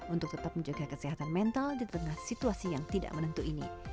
untuk tetap menjaga kesehatan mental di tengah situasi yang tidak menentu ini